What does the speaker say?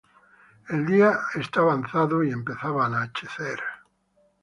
El día estaba avanzado y empezaba a anochecer.